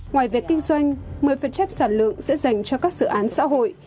ngoài việc kinh doanh một mươi sản lượng sẽ dành cho các dự án xã hội